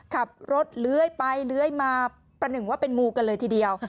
ขับรถเลื้อยไปเลื้อยมาประหนึ่งว่าเป็นงูกันเลยทีเดียว